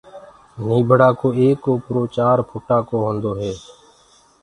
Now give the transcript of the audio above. نيٚڀڙآ ڪو ايڪ اوپرو چآر ڦٽآ ڪو هونٚدو هي